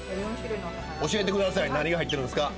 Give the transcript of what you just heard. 教えてください何が入ってるんですか？